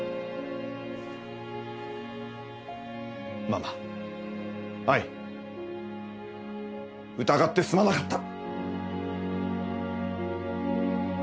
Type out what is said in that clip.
ママ愛疑ってすまなかった！